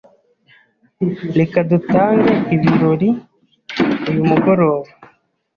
Reka dutange ibirori uyu mugoroba.